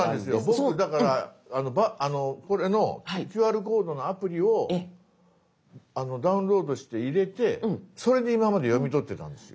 僕だからこれのＱＲコードのアプリをダウンロードして入れてそれで今まで読み取ってたんですよ。